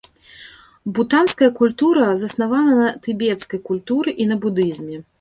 Бутанская культура заснавана на тыбецкай культуры і на будызме.